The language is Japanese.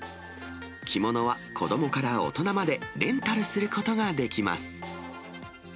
着物は子どもから大人まで、レンタルすることができます。